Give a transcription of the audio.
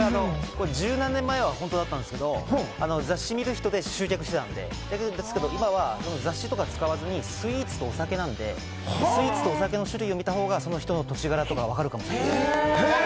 １０何年前は本当だったんですけど、雑誌見る人で集客してたんで今は雑誌とか使わずにスイーツとお酒なんで、スイーツとお酒の種類を見たほうが土地柄とかがわかるかもしれま